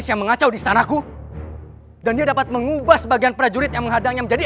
jangan lupa like share dan subscribe ya